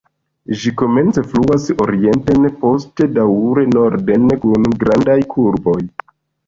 Ĝi komence fluas orienten, poste daŭre norden kun grandaj kurboj.